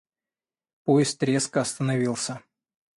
Поезд резко остановился.